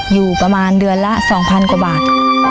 อยู่ประมาณเดือนละสองพันบาท